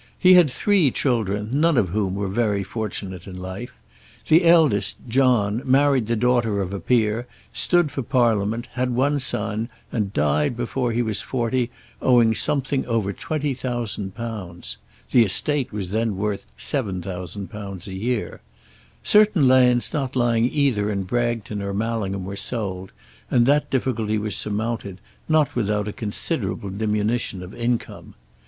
He had three children, none of whom were very fortunate in life. The eldest, John, married the daughter of a peer, stood for Parliament, had one son, and died before he was forty, owing something over £20,000. The estate was then worth £7,000 a year. Certain lands not lying either in Bragton or Mallingham were sold, and that difficulty was surmounted, not without a considerable diminution of income.